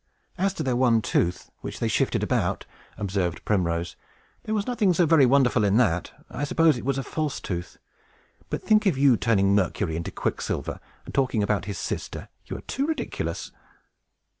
"As to their one tooth, which they shifted about," observed Primrose, "there was nothing so very wonderful in that. I suppose it was a false tooth. But think of your turning Mercury into Quicksilver, and talking about his sister! You are too ridiculous!"